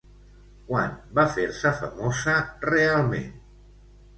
Quan va fer-se famosa realment?